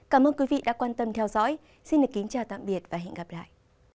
cảm ơn quý vị đã quan tâm theo dõi xin kính chào tạm biệt và hẹn gặp lại